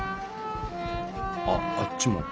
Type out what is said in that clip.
ああっちも。